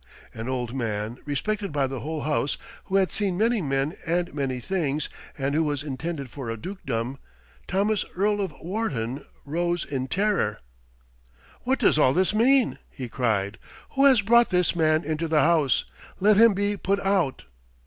An old man, respected by the whole House, who had seen many men and many things, and who was intended for a dukedom Thomas, Earl of Wharton rose in terror. "What does all this mean?" he cried. "Who has brought this man into the House? Let him be put out."